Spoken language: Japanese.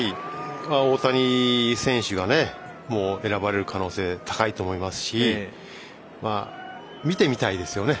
大谷選手が選ばれる可能性高いと思いますし見てみたいですよね。